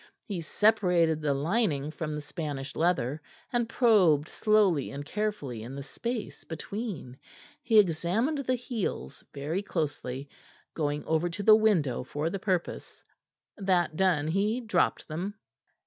He separated the lining from the Spanish leather, and probed slowly and carefully in the space between. He examined the heels very closely, going over to the window for the purpose. That done, he dropped them.